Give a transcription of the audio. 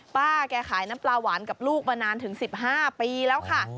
ป้าแกขายน้ำปลาหวานกับลูกมานานถึง๑๕ปีแล้วค่ะ